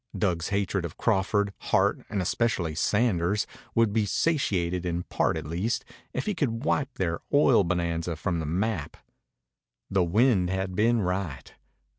Dug's hatred of Crawford, Hart, and especially Sanders would be satiated in part at least if he could wipe their oil bonanza from the map. The wind had been right.